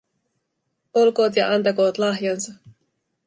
Olkoot ja antakoot lahjansa.